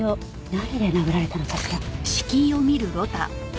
何で殴られたのかしら？